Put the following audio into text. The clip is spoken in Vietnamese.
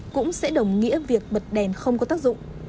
cũng sẽ đồng nghĩa việc bật đèn không có tác dụng